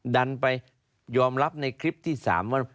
ดันไปยอมรับในคลิปที่๓ว่า